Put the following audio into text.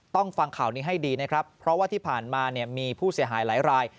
ฟังข่าวนี้ให้ดีนะครับเพราะว่าที่ผ่านมาเนี่ยมีผู้เสียหายหลายราย